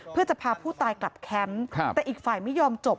เพื่อจะพาผู้ตายกลับแคมป์แต่อีกฝ่ายไม่ยอมจบ